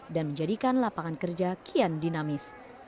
dan menjadikan lapangan kerja kian dinamis